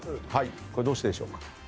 これどうしてでしょうか？